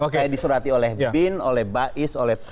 saya disurati oleh bin oleh bais oleh